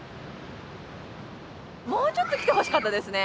もうちょっと来てほしかったですね。